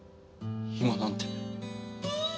今なんて。